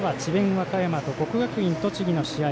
和歌山と国学院栃木の第３試合。